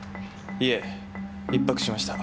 いえ１泊しました。